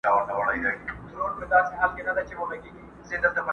که ما اورې بل به نه وي، ځان هم نه سې اورېدلای.!